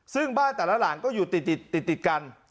ซึ่งบ้านแต่ละหลังก็อยู่ติดกัน